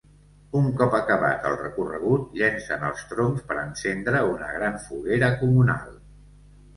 Un cop acabat el recorregut llencen els troncs per encendre una gran foguera comunal.